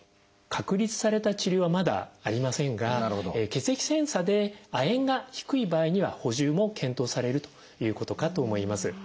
確立された治療はまだありませんが血液検査で亜鉛が低い場合には補充も検討されるということかと思います。